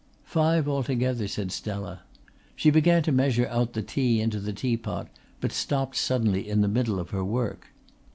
"Five altogether," said Stella. She began to measure out the tea into the tea pot but stopped suddenly in the middle of her work.